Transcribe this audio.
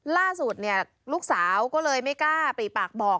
ล่าสุดเนี่ยลูกสาวก็เลยไม่กล้าปรีปากบอก